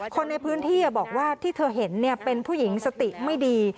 คนในพื้นที่บอกว่าที่เธอเห็นเป็นผู้หญิงสติไม่ดี